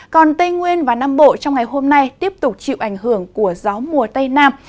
còn tây nguyên và nam bộ trong ngày hôm nay tiếp tục chịu ảnh hưởng của gió mùa tây nam